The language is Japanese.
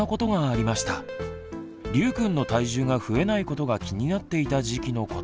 りゅうくんの体重が増えないことが気になっていた時期のこと。